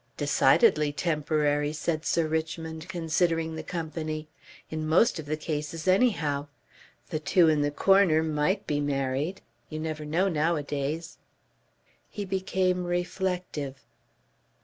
"Decidedly temporary," said Sir Richmond, considering the company "in most of the cases anyhow. The two in the corner might be married. You never know nowadays." He became reflective....